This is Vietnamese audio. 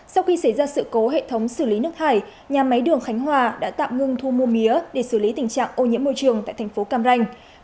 sau khi xảy ra sự cố hệ thống xử lý nước thải nhà máy đường khánh hòa đã tạm ngưng thu mua mía để xử lý tình trạng ô nhiễm môi trường tại thành phố cam ranh